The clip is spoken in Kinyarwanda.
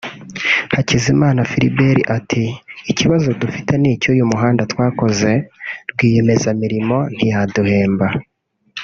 Hakizimana Philbert ati “Ikibazo dufite ni icy’uyu muhanda twakoze rwiyemezamirimo ntiyaduhemba